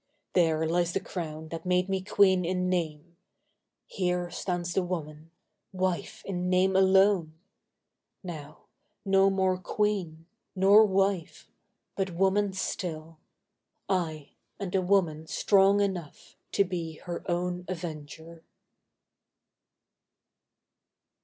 There lies the crown that made me queen in name! Here stands the woman—wife in name alone! Now, no more queen—nor wife—but woman still— Ay, and a woman strong enough to be Her own avenger.